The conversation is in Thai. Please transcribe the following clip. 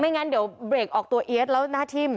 ไม่งั้นเดี๋ยวเบรกออกตัวเอสแล้วหน้าทิม